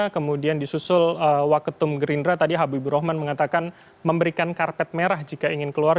kemudian disusul waketum gerindra tadi habibur rahman mengatakan memberikan karpet merah jika ingin keluar